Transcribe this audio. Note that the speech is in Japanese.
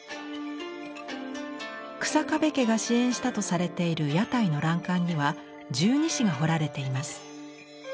日下部家が支援したとされている屋台の欄干には十二支が彫られています。